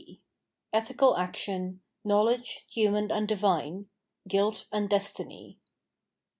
6 Ethical Action. Knowledge, Human and Divine. Guilt and Destiny.